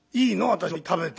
私も食べて。